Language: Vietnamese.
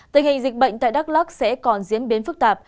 tình hình dịch bệnh tại đắk lắc sẽ còn diễn biến phức tạp